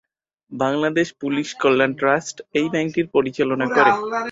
Bangladesh police কল্যাণ trust এই ব্যাংকটি পরিচালনা করে।